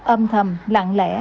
âm thầm lặng lẽ